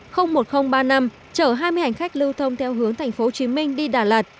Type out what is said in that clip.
chở hai mươi hành khách lưu thông theo hướng tp hcm đi đà lạt